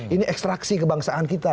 ini ekstraksi kebangsaan kita